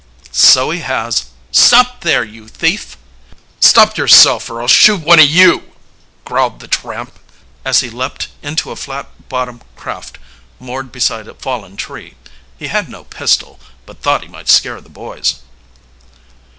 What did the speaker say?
"So he has. Stop there, you thief!" "Stop yourself, or I'll shoot one of you!" growled the tramp, as he leaped into a flat bottom craft moored beside a fallen tree. He had no pistol, but thought he might scare the boys.